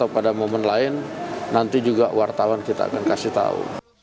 pada momen lain nanti juga wartawan kita akan kasih tahu